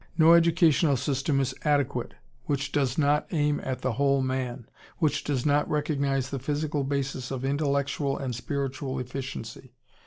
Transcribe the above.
No educational system is adequate which does not aim at the whole man, which does not recognize the physical basis of intellectual and spiritual efficiency.